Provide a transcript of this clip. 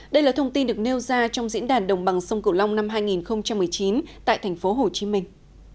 đây là thông tin được nêu ra trong diễn đàn đồng bằng sông cửu long năm hai nghìn một mươi chín tại thành phố hồ chí minh